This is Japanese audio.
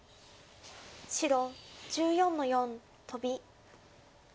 白１４の四トビ。